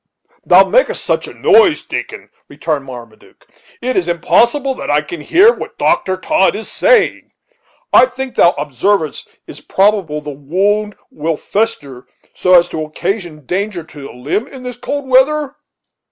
"Thou makest such a noise, Dickon," returned Marmaduke, "it is impossible that I can hear what Dr. Todd is saying. I think thou observedst, it is probable the wound will fester, so as to occasion danger to the limb in this cold weather?"